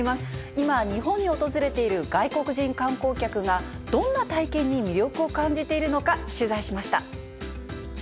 今、日本に訪れている外国人観光客がどんな体験に魅力を感じているのか、取材しました。